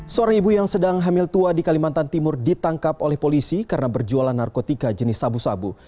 seorang ibu yang sedang hamil tua di kalimantan timur ditangkap oleh polisi karena berjualan narkotika jenis sabu sabu